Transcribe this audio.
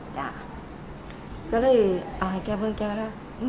ก็เลยอ่ะเก็บรถเก็บแล้ว